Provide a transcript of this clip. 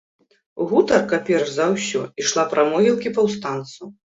Гутарка, перш за ўсё, ішла пра могілкі паўстанцаў.